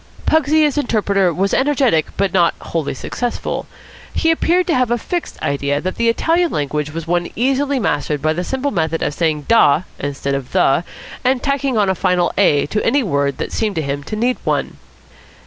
Pugsy as interpreter was energetic but not wholly successful. He appeared to have a fixed idea that the Italian language was one easily mastered by the simple method of saying "da" instead of "the," and tacking on a final "a" to any word that seemed to him to need one.